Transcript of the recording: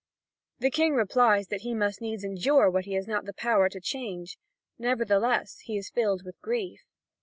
The King replies that he must needs endure what he has not the power to change; nevertheless, he is filled with grief.